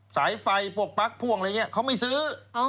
สายไฟพวกปั๊กพ่วงอะไรอย่างนี้เขาไม่ซื้อ